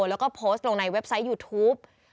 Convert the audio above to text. แล้วก็โพสต์ลงในเว็บไซต์ยูทูป